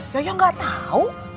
yo yo gak tau